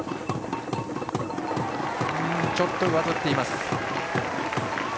ちょっと上ずっています。